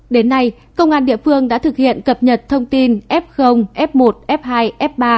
đến nay công an địa phương đã thực hiện cập nhật thông tin f f một f hai f ba